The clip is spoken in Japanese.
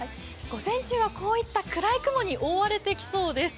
午前中はこういった暗い雲に覆われてきそうです。